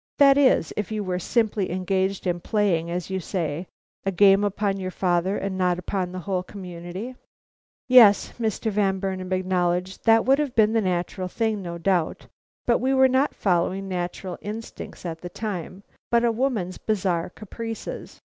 That is, if you were simply engaged in playing, as you say, a game upon your father, and not upon the whole community?" "Yes," Mr. Van Burnam acknowledged, "that would have been the natural thing, no doubt; but we were not following natural instincts at the time, but a woman's bizarre caprices.